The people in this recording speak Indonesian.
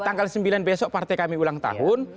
tanggal sembilan besok partai kami ulang tahun